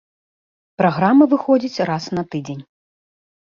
Праграма выходзіць раз на тыдзень.